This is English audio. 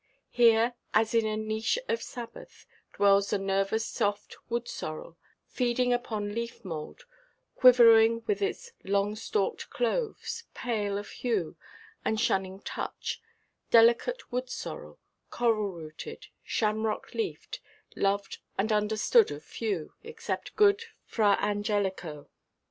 Here, as in a niche of Sabbath, dwells the nervous soft wood–sorrel, feeding upon leaf–mould, quivering with its long–stalked cloves, pale of hue, and shunning touch, delicate wood–sorrel, coral–rooted, shamrock–leafed, loved and understood of few, except good Fra Angelico.